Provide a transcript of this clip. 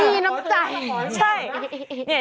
มีน้ำใจ